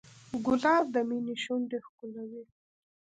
ګلاب د مینې شونډې ښکلوي.